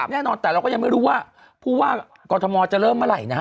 แน่นอนแต่เราก็ยังไม่รู้ว่าผู้ว่ากรทมจะเริ่มเมื่อไหร่นะฮะ